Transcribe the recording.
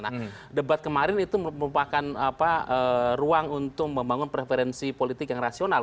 nah debat kemarin itu merupakan ruang untuk membangun preferensi politik yang rasional